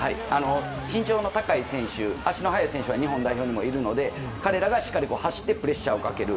身長の高い選手足の速い選手は日本代表にもいるので彼らがしっかり走ってプレッシャーをかける。